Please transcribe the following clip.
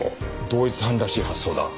同一犯らしい発想だ。